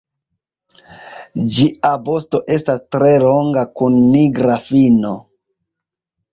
Ĝia vosto estas tre longa kun nigra fino.